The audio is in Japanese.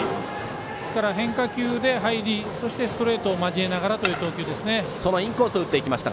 変化球で入りストレートを交えながらという投球ですね。